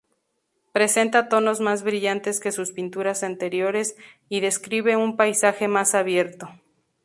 Presenta tonos más brillantes que sus pinturas anteriores, y describe un paisaje más abierto.